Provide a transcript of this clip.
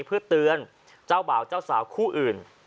เพื่อเตือนเจ้าบ่าวเจ้าสาวคู่อื่น